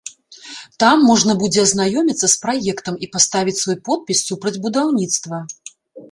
Там можна будзе азнаёміцца з праектам і паставіць свой подпіс супраць будаўніцтва.